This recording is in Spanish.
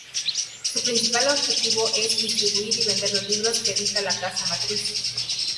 Su principal objetivo es distribuir y vender los libros que edita la casa matriz.